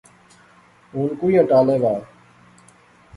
ہن کوئیاں ٹالے وہا